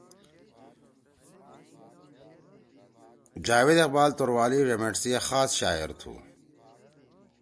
جاوید اقبال توروالی ڙیمیٹ سی اے خاص شاعر تُھو۔